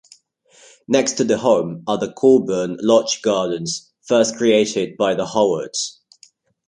Next to the home are the Colborne Lodge Gardens, first created by the Howards.